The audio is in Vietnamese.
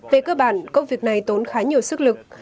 về cơ bản công việc này tốn khá nhiều sức lực